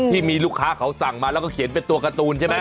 ที่มีลูกค้าเขาสั่งมาแล้วก็เขียนเป็นตัวการ์ตูนใช่ไหม